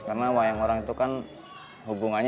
karena wayang orang itu kan hubungannya